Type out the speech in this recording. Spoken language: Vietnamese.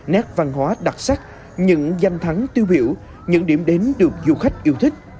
nét văn hóa đặc sắc những danh thắng tiêu biểu những điểm đến được du khách yêu thích